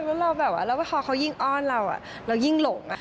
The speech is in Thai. แล้วเราแบบว่าแล้วพอเขายิ่งอ้อนเราเรายิ่งหลง